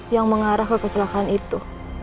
yang mengarah ke kecelakaan itu